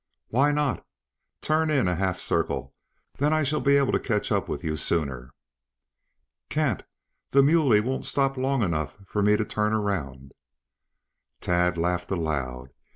"Why not? Turn in a half circle, then I shall be able to catch up with you sooner." "Can't. The muley won't stop long enough for me to turn around." Tad laughed aloud.